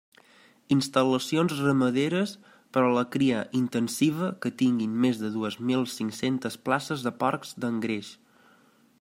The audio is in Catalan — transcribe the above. Instal·lacions ramaderes per a la cria intensiva que tinguin més de dues mil cinc-centes places de porcs d'engreix.